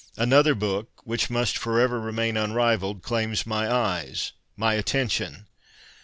Another book — which must for ever remain unrivalled — claims my eyes, my attention.